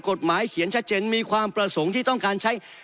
เขียนชัดเจนมีความประสงค์ที่ต้องการใช้